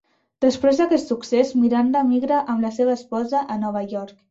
Després d'aquest succés, Miranda emigra amb la seva esposa a Nova York.